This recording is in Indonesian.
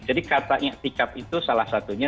jadi kata itikaf itu salah satunya